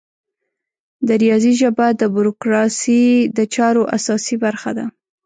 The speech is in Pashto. د ریاضي ژبه د بروکراسي د چارو اساسي برخه ده.